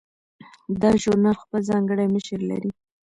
دا ژورنال خپل ځانګړی مشر لري.